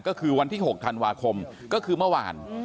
ก็คือวันที่๖ธันวาคมก็คือเมื่อวาน